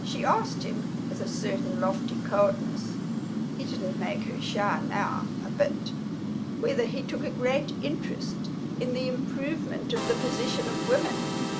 She asked him, with a certain lofty coldness he didn't make her shy, now, a bit whether he took a great interest in the improvement of the position of women.